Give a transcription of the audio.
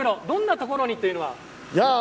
どんなところにというのは。